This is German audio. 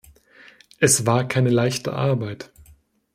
Es war keine leichte Arbeit.